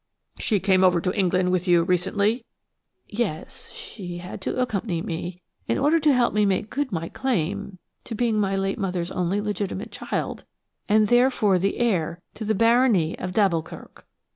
"She came over to England with you recently?" "Yes; she had to accompany me in order to help me to make good my claim to being my late mother's only legitimate child, and therefore the heir to the barony of d'Alboukirk."